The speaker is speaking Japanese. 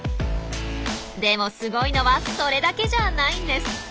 でもすごいのはそれだけじゃないんです。